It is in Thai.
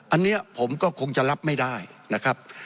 อันนี้ผมก็คงจะรับไม่ได้นะครับ